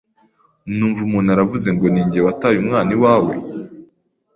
numva umuntu aravuze ngo ninjye wataye umwana iwawe,